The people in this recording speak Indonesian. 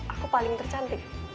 aku paling tercantik